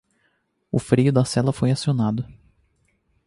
O freio da sela foi acionado